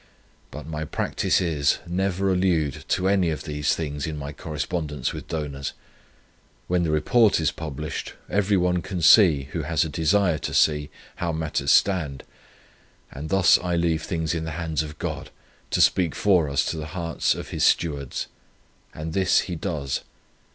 But my practice is, never to allude to any of these things in my correspondence with donors. When the Report is published, every one can see, who has a desire to see, how matters stand; and thus I leave things in the hands of God, to speak for us to the hearts of His stewards. And this He does.